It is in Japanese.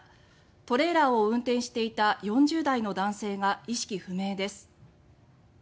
トレーラーを運転していた４０代の男性が意識不明です。